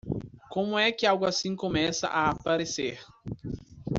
Como é que algo assim começa a aparecer?